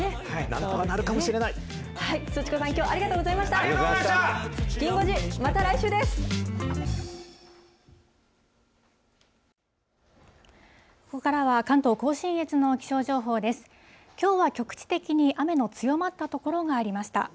きょうは局地的に雨の強まった所がありました。